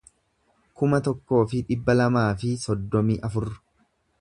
kuma tokkoo fi dhibba lamaa fi soddomii afur